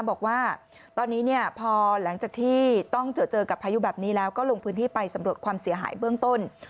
บอกว่าตอนนี้เนี่ยพอหลังจากที่ต้องเจอกับพายุแบบนี้แล้วก็ลงพื้นที่ไปสำรวจความเสียหายเบื้องต้น